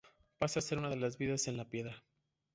Pasa a ser una de las vidas en la piedra.